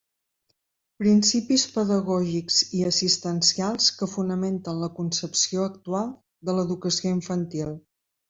Principis pedagògics i assistencials que fonamenten la concepció actual de l'educació infantil.